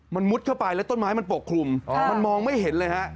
มันมุดเข้าไปแล้วต้นไม้มันปกคลุมมันมองไม่เห็นเลยฮะ